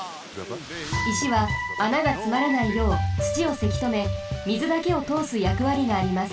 いしは穴がつまらないようつちをせきとめみずだけをとおすやくわりがあります。